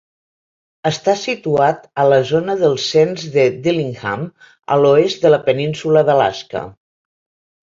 Està situat a la zona del cens de Dillingham, a l'oest de la península d'Alaska.